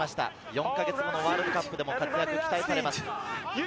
４か月後のワールドカップでも活躍が期待されます。